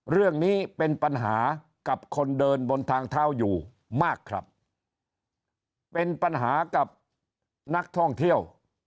เรื่องนี้เป็นปัญหากับคนเดินบนทางเท้าอยู่มากครับเป็นปัญหากับนักท่องเที่ยว